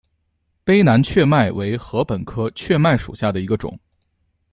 卑南雀麦为禾本科雀麦属下的一个种。